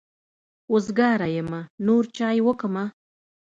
وزګاره يمه نور چای وکمه.